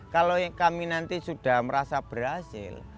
kalau kami nanti sudah merasa berhasil